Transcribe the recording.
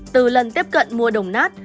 từ lần tiếp cận mua đồng nát